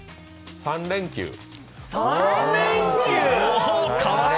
３連休。